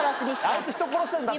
あいつ人殺してんだって。